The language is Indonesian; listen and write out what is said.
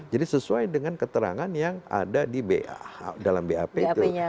jadi sesuai dengan keterangan yang ada di bap itu